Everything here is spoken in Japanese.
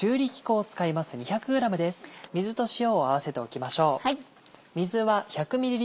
水と塩を合わせておきましょう。